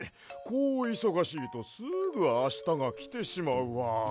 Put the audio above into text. こういそがしいとすぐあしたがきてしまうわ。